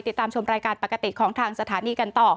ติดตามชมรายการปกติของทางสถานีกันต่อ